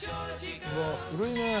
うわっ古いね！